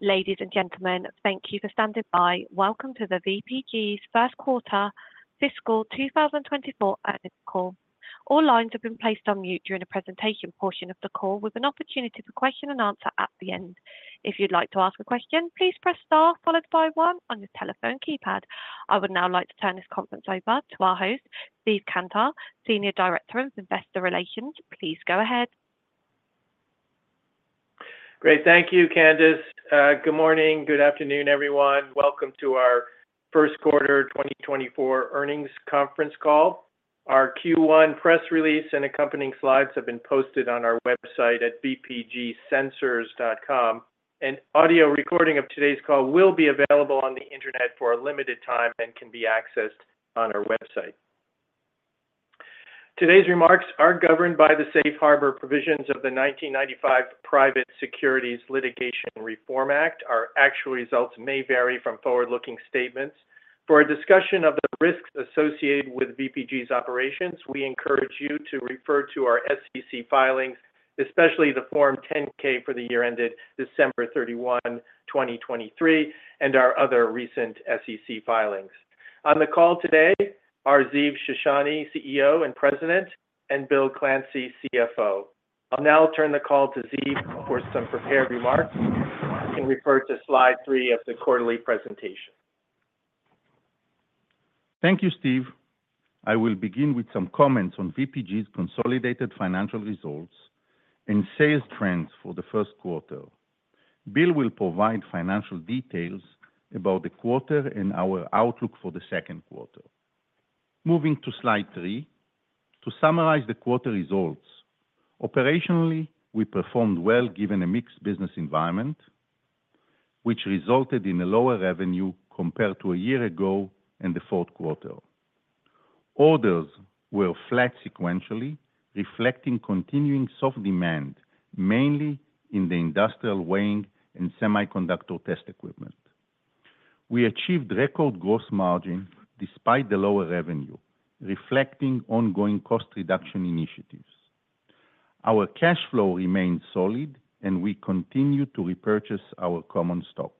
Ladies and gentlemen, thank you for standing by. Welcome to the VPG's Q1 Fiscal 2024 Earnings Call. All lines have been placed on mute during the presentation portion of the call, with an opportunity for question and answer at the end. If you'd like to ask a question, please press star, followed by one on your telephone keypad. I would now like to turn this conference over to our host, Steve Cantor, Senior Director of Investor Relations. Please go ahead. Great. Thank you, Candace. Good morning, good afternoon, everyone. Welcome to our Q1 2024 Earnings Conference Call. Our Q1 press release and accompanying slides have been posted on our website at vpgsensors.com. An audio recording of today's call will be available on the Internet for a limited time and can be accessed on our website. Today's remarks are governed by the safe harbor provisions of the 1995 Private Securities Litigation Reform Act. Our actual results may vary from forward-looking statements. For a discussion of the risks associated with VPG's operations, we encourage you to refer to our SEC filings, especially the Form 10-K for the year ended December 31, 2023, and our other recent SEC filings. On the call today are Ziv Shoshani, CEO and President, and Bill Clancy, CFO. I'll now turn the call to Ziv for some prepared remarks. You can refer to slide three of the quarterly presentation. Thank you, Steve. I will begin with some comments on VPG's consolidated financial results and sales trends for the Q1. Bill will provide financial details about the quarter and our outlook for the Q2. Moving to slide three, to summarize the quarter results, operationally, we performed well given a mixed business environment, which resulted in a lower revenue compared to a year ago in the Q4. Orders were flat sequentially, reflecting continuing soft demand, mainly in the industrial weighing and semiconductor test equipment. We achieved record gross margin despite the lower revenue, reflecting ongoing cost reduction initiatives. Our cash flow remains solid, and we continue to repurchase our common stock.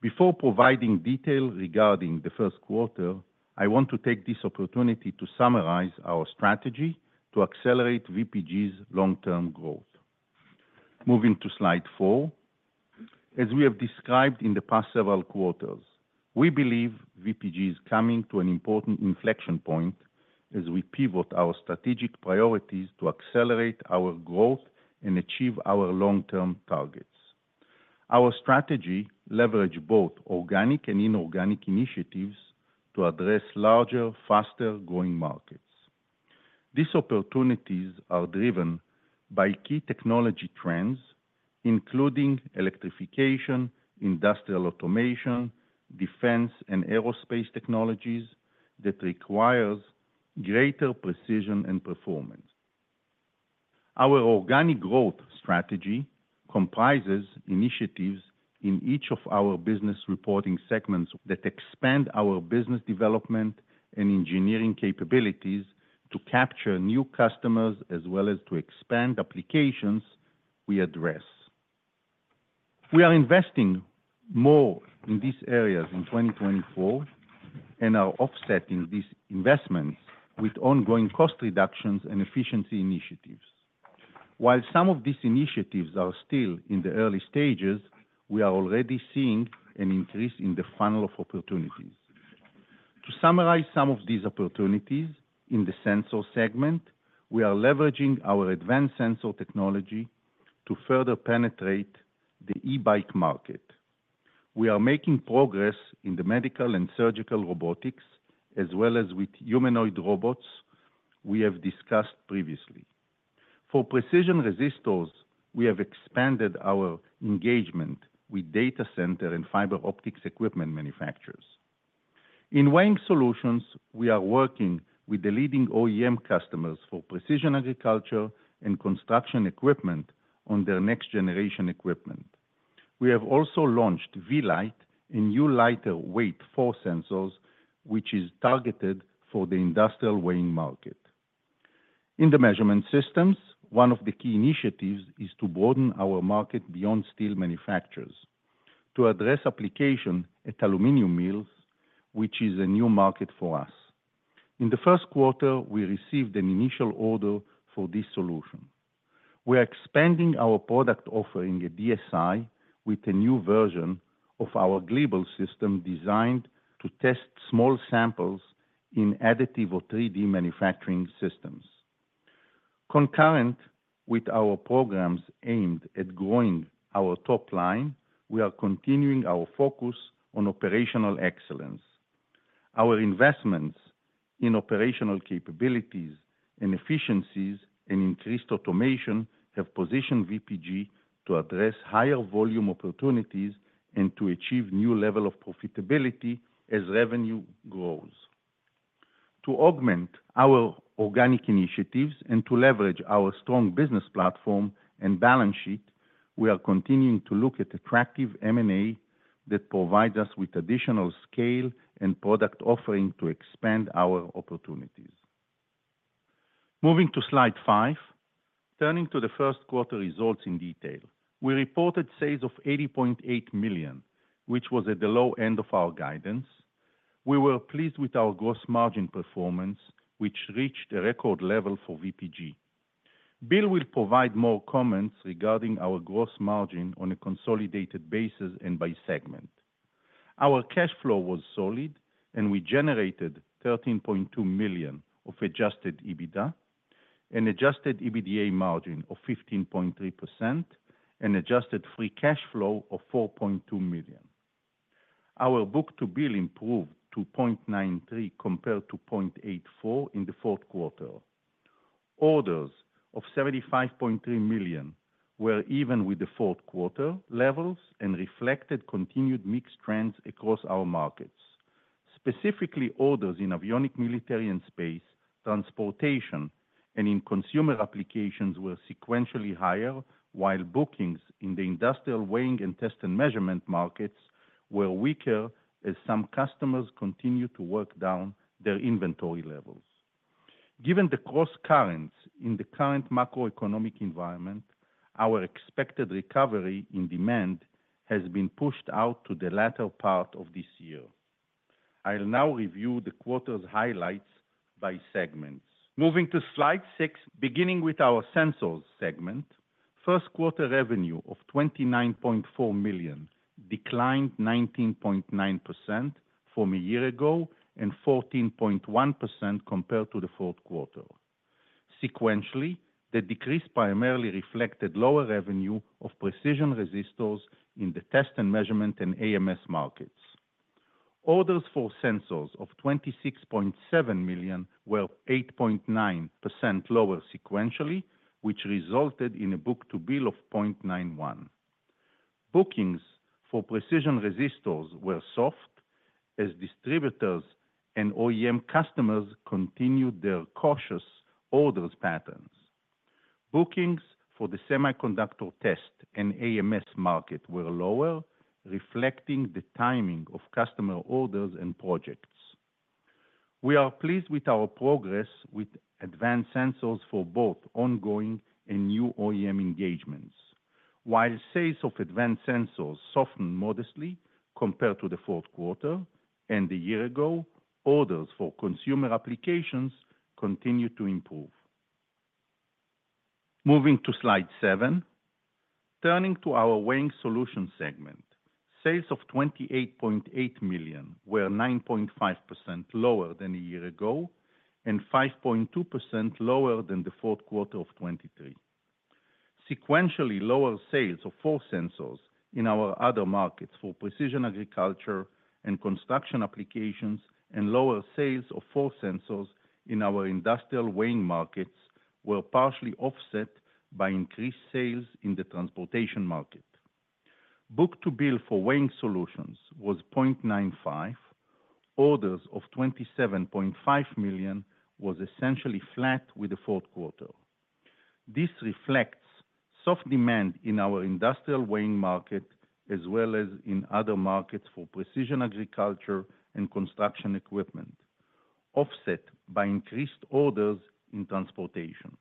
Before providing details regarding the Q1, I want to take this opportunity to summarize our strategy to accelerate VPG's long-term growth. Moving to slide four. As we have described in the past several quarters, we believe VPG is coming to an important inflection point as we pivot our strategic priorities to accelerate our growth and achieve our long-term targets. Our strategy leverages both organic and inorganic initiatives to address larger, faster-growing markets. These opportunities are driven by key technology trends, including electrification, industrial automation, defense, and aerospace technologies that require greater precision and performance. Our organic growth strategy comprises initiatives in each of our business reporting segments that expand our business development and engineering capabilities to capture new customers as well as to expand applications we address. We are investing more in these areas in 2024 and are offsetting these investments with ongoing cost reductions and efficiency initiatives. While some of these initiatives are still in the early stages, we are already seeing an increase in the funnel of opportunities. To summarize some of these opportunities, in the sensor segment, we are leveraging our advanced sensor technology to further penetrate the e-bike market. We are making progress in the medical and surgical robotics, as well as with humanoid robots we have discussed previously. For precision resistors, we have expanded our engagement with data center and fiber optics equipment manufacturers. In weighing solutions, we are working with the leading OEM customers for precision agriculture and construction equipment on their next-generation equipment. We have also launched vLite, a new lighter weight force sensors, which is targeted for the industrial weighing market. In the measurement systems, one of the key initiatives is to broaden our market beyond steel manufacturers, to address application at aluminum mills, which is a new market for us. In the Q1, we received an initial order for this solution. We are expanding our product offering at DSI with a new version of our Gleeble system designed to test small samples in additive or 3D manufacturing systems. Concurrent with our programs aimed at growing our top line, we are continuing our focus on operational excellence. Our investments in operational capabilities and efficiencies and increased automation have positioned VPG to address higher volume opportunities and to achieve new level of profitability as revenue grows. To augment our organic initiatives and to leverage our strong business platform and balance sheet, we are continuing to look at attractive M&A that provides us with additional scale and product offering to expand our opportunities. Moving to Slide five. Turning to the Q1 results in detail, we reported sales of $80.8 million, which was at the low end of our guidance. We were pleased with our gross margin performance, which reached a record level for VPG. Bill will provide more comments regarding our gross margin on a consolidated basis and by segment. Our cash flow was solid, and we generated $13.2 million of Adjusted EBITDA, an Adjusted EBITDA margin of 15.3%, and Adjusted Free Cash Flow of $4.2 million. Our book-to-bill improved to 0.93 compared to 0.84 in the Q4. Orders of $75.3 million were even with the Q4 levels and reflected continued mixed trends across our markets. Specifically, orders in avionics, military and space, transportation, and in consumer applications were sequentially higher, while bookings in the industrial weighing and test and measurement markets were weaker as some customers continued to work down their inventory levels. Given the crosscurrents in the current macroeconomic environment, our expected recovery in demand has been pushed out to the latter part of this year. I'll now review the quarter's highlights by segments. Moving to Slide six. Beginning with our Sensors segment, Q1 revenue of $29.4 million declined 19.9% from a year ago and 14.1% compared to the Q4. Sequentially, the decrease primarily reflected lower revenue of precision resistors in the test and measurement and AMS markets. Orders for sensors of $26.7 million were 8.9% lower sequentially, which resulted in a book-to-bill of 0.91. Bookings for precision resistors were soft as distributors and OEM customers continued their cautious orders patterns. Bookings for the semiconductor test and AMS market were lower, reflecting the timing of customer orders and projects. We are pleased with our progress with advanced sensors for both ongoing and new OEM engagements. While sales of advanced sensors softened modestly compared to the Q4 and a year ago, orders for consumer applications continued to improve. Moving to Slide seven. Turning to our Weighing Solution segment, sales of $28.8 million were 9.5% lower than a year ago and 5.2% lower than the Q4 of 2023. Sequentially, lower sales of force sensors in our other markets for precision agriculture and construction applications, and lower sales of force sensors in our industrial weighing markets were partially offset by increased sales in the transportation market. Book-to-bill for weighing solutions was 0.95. Orders of $27.5 million was essentially flat with the Q4. This reflects soft demand in our industrial weighing market, as well as in other markets for precision agriculture and construction equipment, offset by increased orders in transportation.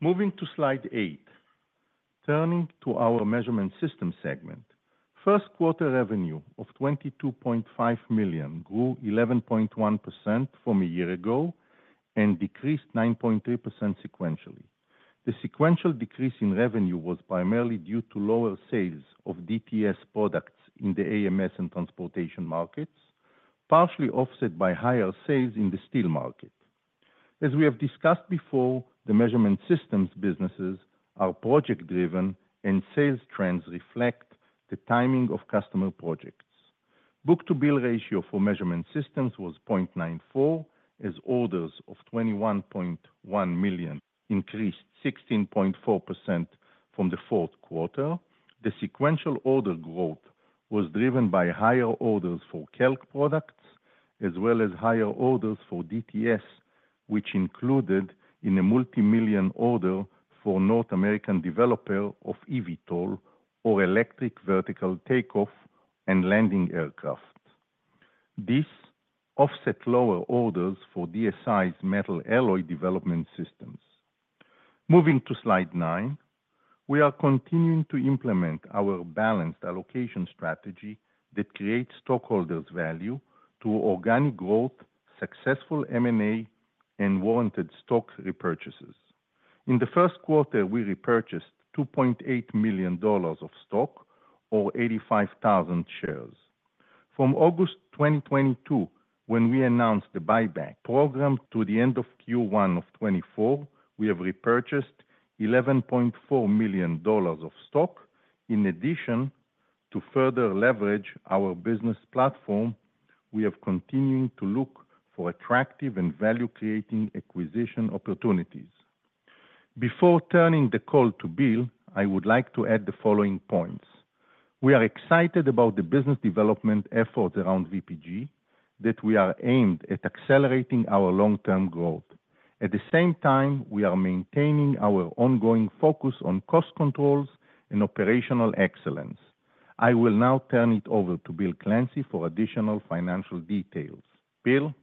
Moving to Slide eight. Turning to our Measurement System segment, Q1 revenue of $22.5 million grew 11.1% from a year ago and decreased 9.3% sequentially. The sequential decrease in revenue was primarily due to lower sales of DTS products in the AMS and transportation markets, partially offset by higher sales in the steel market. As we have discussed before, the measurement systems businesses are project-driven, and sales trends reflect the timing of customer projects. Book-to-bill ratio for measurement systems was 0.94, as orders of $21.1 million increased 16.4% from the Q4. The sequential order growth was driven by higher orders for Kelk products, as well as higher orders for DTS, which included a multimillion order for North American developer of eVTOL, or Electric Vertical Takeoff and Landing Aircraft. This offset lower orders for DSI's metal alloy development systems. Moving to Slide 9. We are continuing to implement our balanced allocation strategy that creates stockholders value through organic growth, successful M&A, and warranted stock repurchases. In the Q1, we repurchased $2.8 million of stock or 85,000 shares. From August 2022, when we announced the buyback program, to the end of Q1 of 2024, we have repurchased $11.4 million of stock. In addition, to further leverage our business platform, we have continued to look for attractive and value-creating acquisition opportunities. Before turning the call to Bill, I would like to add the following points: We are excited about the business development efforts around VPG, that we are aimed at accelerating our long-term growth. At the same time, we are maintaining our ongoing focus on cost controls and operational excellence. I will now turn it over to Bill Clancy for additional financial details. Bill?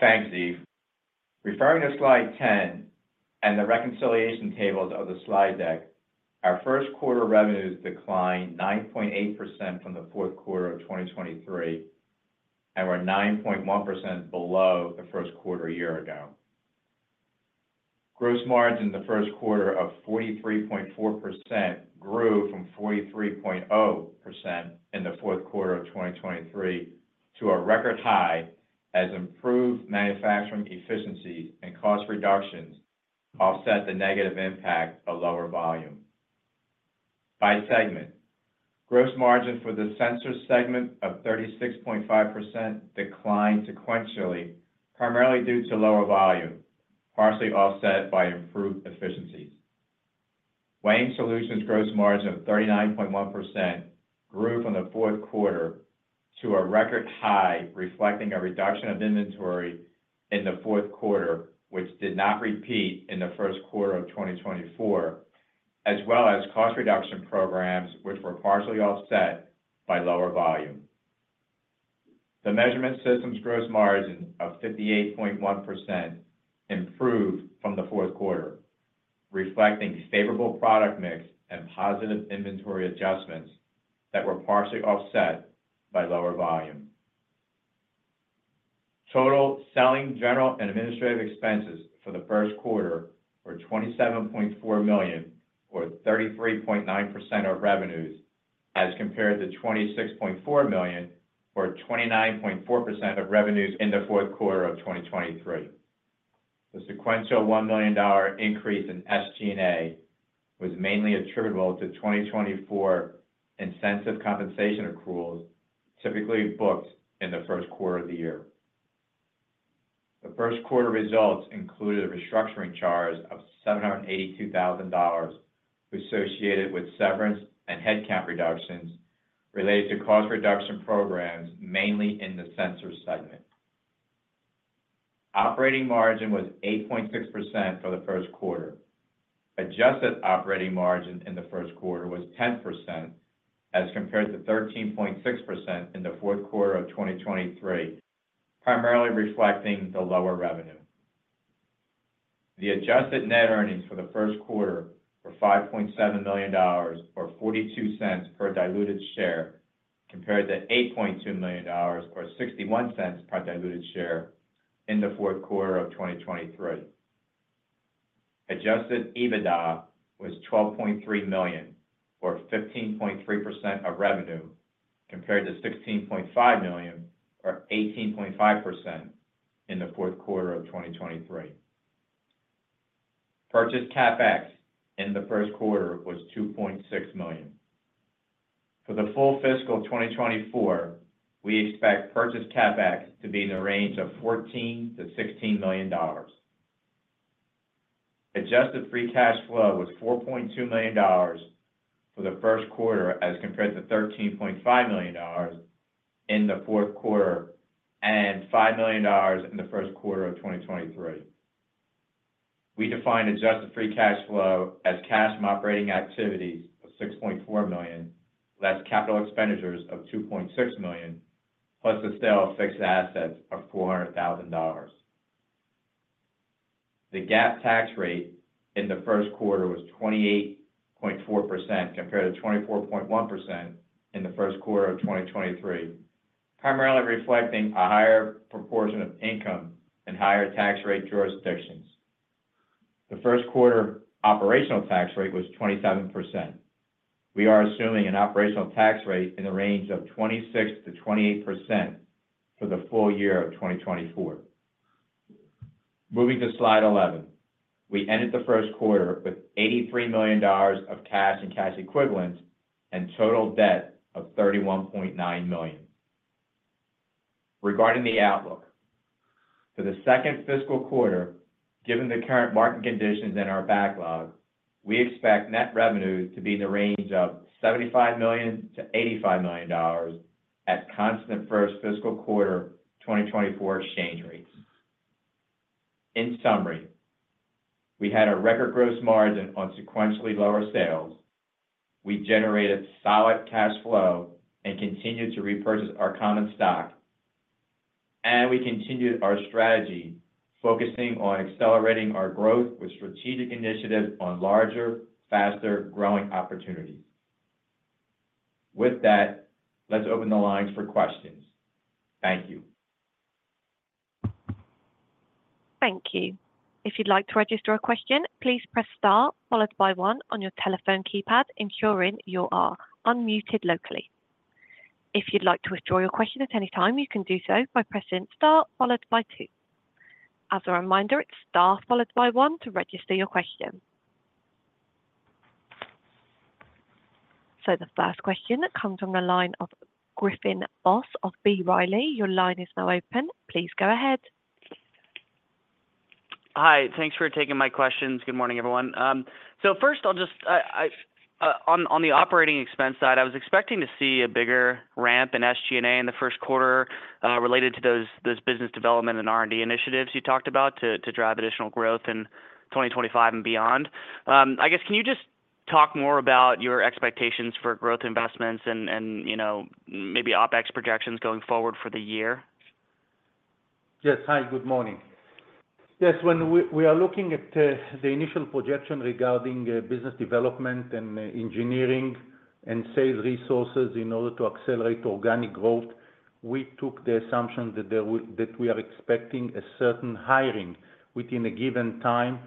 Thanks, Ziv. Referring to slide 10 and the reconciliation tables of the slide deck, our Q1 revenues declined 9.8% from the Q4 of 2023, and were 9.1% below the Q1 a year ago. Gross margin in the Q1 of 43.4% grew from 43.0% in the Q4 of 2023 to a record high, as improved manufacturing efficiency and cost reductions offset the negative impact of lower volume. By segment, gross margin for the sensor segment of 36.5% declined sequentially, primarily due to lower volume, partially offset by improved efficiencies. Weighing solutions gross margin of 39.1% grew from the Q4 to a record high, reflecting a reduction of inventory in the Q4, which did not repeat in the Q1 of 2024, as well as cost reduction programs, which were partially offset by lower volume. The measurement systems gross margin of 58.1% improved from the Q4, reflecting favorable product mix and positive inventory adjustments that were partially offset by lower volume. Total selling, general, and administrative expenses for the Q1 were $27.4 million, or 33.9% of revenues, as compared to $26.4 million, or 29.4% of revenues in the Q4 of 2023. The sequential $1 million increase in SG&A was mainly attributable to 2024 incentive compensation accruals, typically booked in the Q1 of the year. The Q1 results included a restructuring charge of $782,000, associated with severance and headcount reductions related to cost reduction programs, mainly in the sensor segment. Operating margin was 8.6% for the Q1. Adjusted operating margin in the Q1 was 10%, as compared to 13.6% in the Q4 of 2023, primarily reflecting the lower revenue. The adjusted net earnings for the Q1 were $5.7 million, or $0.42 per diluted share, compared to $8.2 million or $0.61 per diluted share in the Q4 of 2023. Adjusted EBITDA was $12.3 million, or 15.3% of revenue, compared to $16.5 million, or 18.5% in the Q4 of 2023. Purchase CapEx in the Q1 was $2.6 million. For the full fiscal 2024, we expect purchase CapEx to be in the range of $14million-$16 million. Adjusted free cash flow was $4.2 million for the Q1, as compared to $13.5 million in the Q4 and $5 million in the Q1 of 2023. We define adjusted free cash flow as cash from operating activities of $6.4 million, less capital expenditures of $2.6 million, plus the sale of fixed assets of $400,000. The GAAP tax rate in the Q1 was 28.4%, compared to 24.1% in the Q1 of 2023, primarily reflecting a higher proportion of income and higher tax rate jurisdictions. The Q1 operational tax rate was 27%. We are assuming an operational tax rate in the range of 26%-28% for the full year of 2024. Moving to slide 11. We ended the Q1 with $83 million of cash and cash equivalents, and total debt of $31.9 million. Regarding the outlook. For the second fiscal quarter, given the current market conditions and our backlog, we expect net revenues to be in the range of $75 million-$85 million at constant first fiscal quarter 2024 exchange rates. In summary, we had a record gross margin on sequentially lower sales. We generated solid cash flow and continued to repurchase our common stock. We continued our strategy, focusing on accelerating our growth with strategic initiatives on larger, faster-growing opportunities. With that, let's open the lines for questions. Thank you. Thank you. If you'd like to register a question, please press star followed by one on your telephone keypad, ensuring you are unmuted locally. If you'd like to withdraw your question at any time, you can do so by pressing star followed by two. As a reminder, it's star followed by one to register your question. So the first question comes from the line of Griffin Boss of B. Riley. Your line is now open. Please go ahead. Hi. Thanks for taking my questions. Good morning, everyone. So first, on the operating expense side, I was expecting to see a bigger ramp in SG&A in the Q1, related to those business development and R&D initiatives you talked about to drive additional growth in 2025 and beyond. I guess, can you just talk more about your expectations for growth investments and, you know, maybe OpEx projections going forward for the year? Yes. Hi, good morning. Yes, when we are looking at the initial projection regarding business development and engineering and sales resources in order to accelerate organic growth, we took the assumption that there would that we are expecting a certain hiring within a given time.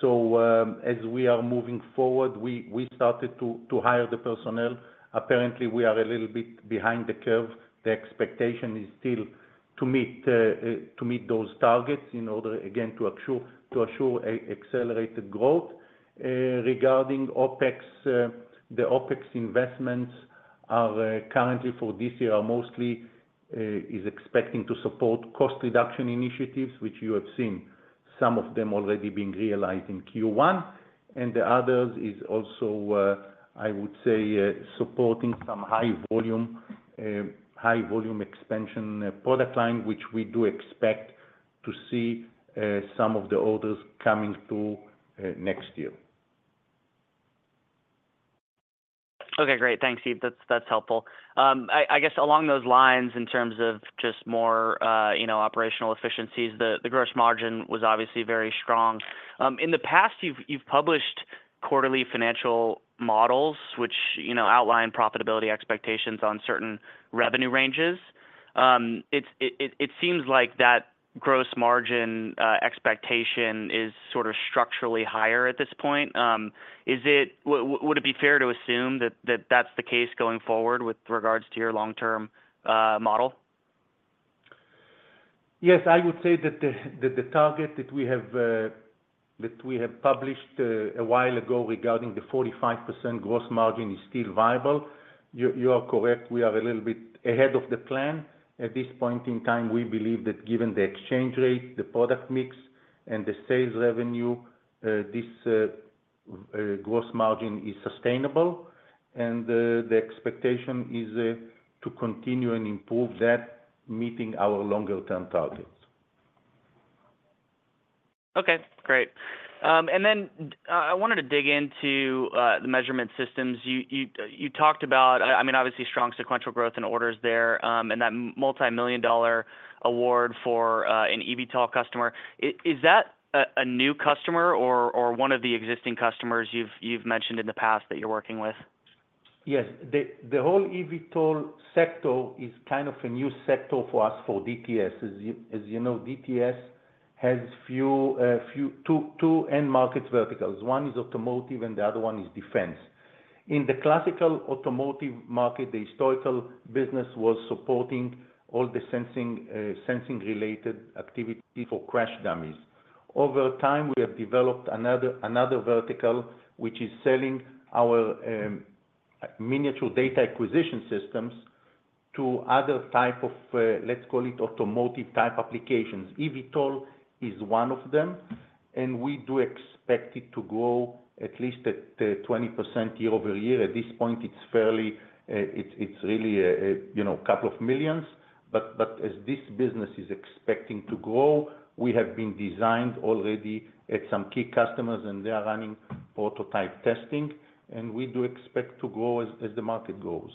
So, as we are moving forward, we started to hire the personnel. Apparently, we are a little bit behind the curve. The expectation is still to meet those targets in order, again, to assure accelerated growth. Regarding OpEx, the OpEx investments are currently for this year are mostly is expecting to support cost reduction initiatives, which you have seen some of them already being realized in Q1. The others is also, I would say, supporting some high volume, high volume expansion, product line, which we do expect to see, some of the orders coming through, next year. Okay, great. Thanks, Steve. That's helpful. I guess along those lines, in terms of just more you know, operational efficiencies, the gross margin was obviously very strong. In the past, you've published quarterly financial models, which you know, outline profitability expectations on certain revenue ranges. It seems like that gross margin expectation is sort of structurally higher at this point. Would it be fair to assume that that's the case going forward with regards to your long-term model? Yes, I would say that the target that we have that we have published a while ago regarding the 45% gross margin is still viable. You are correct, we are a little bit ahead of the plan. At this point in time, we believe that given the exchange rate, the product mix, and the sales revenue, this gross margin is sustainable, and the expectation is to continue and improve that, meeting our longer-term targets. Okay, great. And then I wanted to dig into the measurement systems. You talked about, I mean, obviously, strong sequential growth in orders there, and that multimillion-dollar award for an eVTOL customer. Is that a new customer or one of the existing customers you've mentioned in the past that you're working with? Yes. The whole eVTOL sector is kind of a new sector for us, for DTS. As you know, DTS has two end markets verticals. One is automotive, and the other one is defense. In the classical automotive market, the historical business was supporting all the sensing-related activity for crash dummies. Over time, we have developed another vertical, which is selling our miniature data acquisition systems to other type of, let's call it automotive-type applications. eVTOL is one of them, and we do expect it to grow at least at 20% year-over-year. At this point, it's really a, you know, $2 million, but as this business is expecting to grow, we have already designed at some key customers, and they are running prototype testing, and we do expect to grow as the market grows.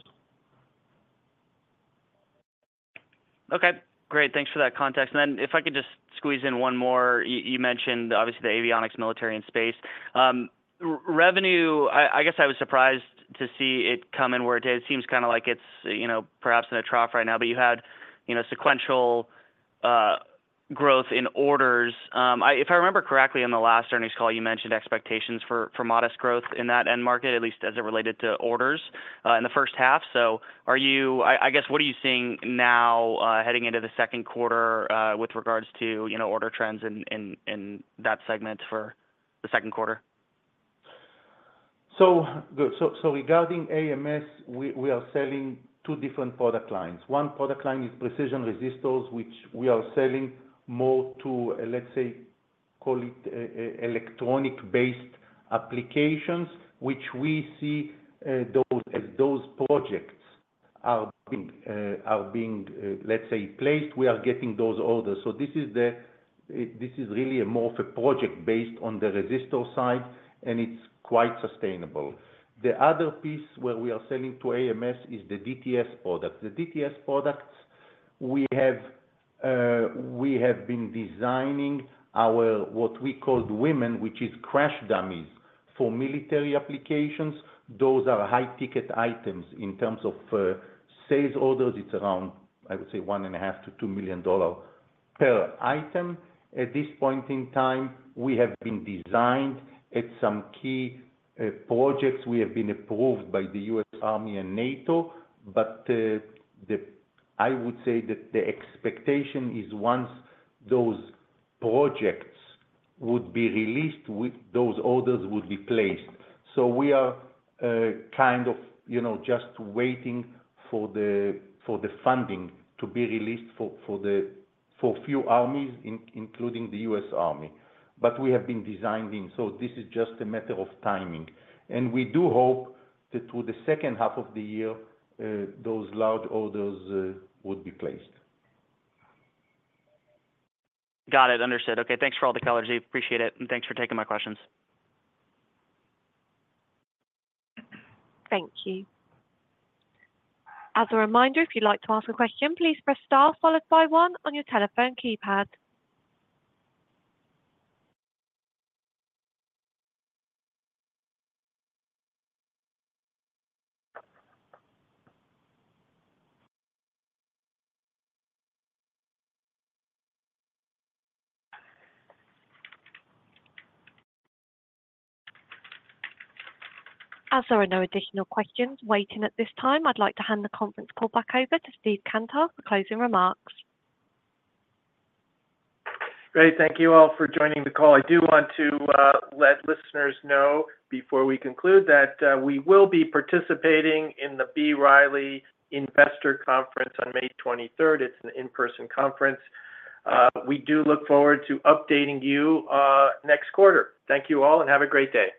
Okay, great. Thanks for that context. And then if I could just squeeze in one more. You mentioned obviously the avionics, military, and space. Revenue, I guess I was surprised to see it come in where it did. It seems kind of like it's, you know, perhaps in a trough right now, but you had, you know, sequential growth in orders. If I remember correctly, in the last earnings call, you mentioned expectations for modest growth in that end market, at least as it related to orders, in the H1. So are you, I guess, what are you seeing now, heading into the Q2, with regards to, you know, order trends in that segment for the Q2? So, good. So, regarding AMS, we are selling two different product lines. One product line is precision resistors, which we are selling more to, let's say, call it, electronic-based applications, which we see, those, as those projects are being, are being, let's say, placed, we are getting those orders. So this is the, this is really a more of a project based on the resistor side, and it's quite sustainable. The other piece where we are selling to AMS is the DTS products. The DTS products, we have been designing our, what we call WIAMan, which is crash dummies for military applications. Those are high-ticket items. In terms of sales orders, it's around, I would say, $1.5 million-$2 million per item. At this point in time, we have been designing some key projects. We have been approved by the U.S. Army and NATO, but I would say that the expectation is once those projects would be released, those orders would be placed. So we are kind of, you know, just waiting for the funding to be released for a few armies, including the U.S. Army. But we have been designing, so this is just a matter of timing, and we do hope that through the H2 of the year, those large orders would be placed. Got it. Understood. Okay, thanks for all the color, Ziv. Appreciate it, and thanks for taking my questions. Thank you. As a reminder, if you'd like to ask a question, please press star followed by one on your telephone keypad. As there are no additional questions waiting at this time, I'd like to hand the conference call back over to Steve Cantor for closing remarks. Great. Thank you all for joining the call. I do want to let listeners know, before we conclude, that we will be participating in the B. Riley Investor Conference on May 23rd. It's an in-person conference. We do look forward to updating you next quarter. Thank you all, and have a great day.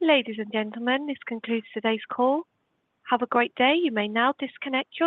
Ladies and gentlemen, this concludes today's call. Have a great day. You may now disconnect your lines.